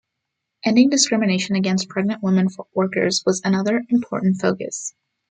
Ending discrimination against pregnant women workers was another important focus.